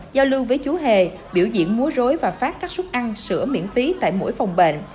giao lưu với chú hề biểu diễn múa rối và phát các suất ăn sữa miễn phí tại mỗi phòng bệnh